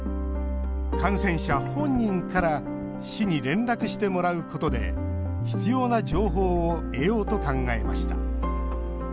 感染者本人から市に連絡してもらうことで必要な情報を得ようと考えました。